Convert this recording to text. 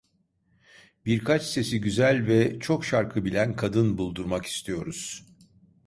Birkaç sesi güzel ve çok şarkı bilen kadın buldurmak istiyoruz.